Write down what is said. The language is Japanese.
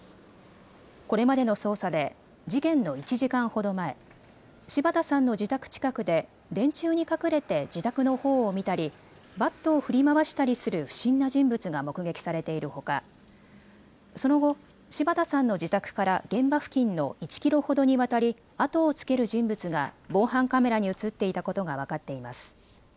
これまでの捜査で事件の１時間ほど前、柴田さんの自宅近くで電柱に隠れて自宅のほうを見たりバットを振り回したりする不審な人物が目撃されているほかその後、柴田さんの自宅から現場付近の１キロほどにわたり後をつける人物が防犯カメラに写っていたことが分かっています。